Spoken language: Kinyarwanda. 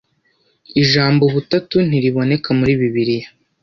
Ijambo Ubutatu ntiriboneka muri Bibiliya